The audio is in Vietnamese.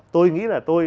tôi nghĩ là tôi